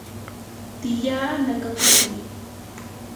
tiyaa nakakuqmi.